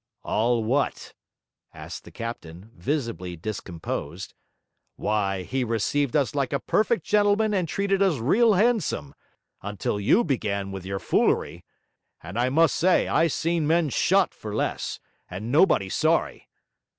'All what?' asked the captain, visibly discomposed. 'Why, he received us like a perfect gentleman and treated us real handsome, until you began with your foolery and I must say I seen men shot for less, and nobody sorry!